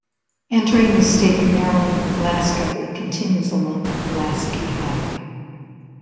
Entering the state from Maryland in Glasgow, it continues along the Pulaski Highway.